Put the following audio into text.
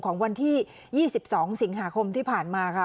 ของวันที่๒๒สิงหาคมที่ผ่านมาค่ะ